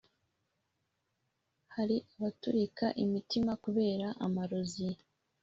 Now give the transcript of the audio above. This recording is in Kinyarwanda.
hari abaturika imitima kubera amarozi